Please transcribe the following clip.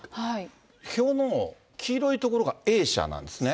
表の黄色いところがＡ社なんですね。